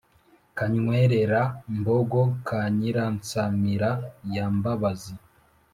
kanywerera–mbogo ka nyiransamira ya mbabazi,